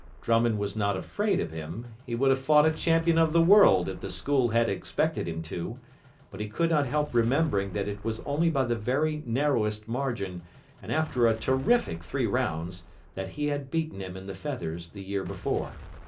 Drummond was not afraid of him he would have fought a champion of the world if the school had expected him to but he could not help remembering that it was only by the very narrowest margin, and after a terrific three rounds, that he had beaten him in the Feathers the year before.